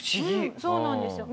そうなんですよ。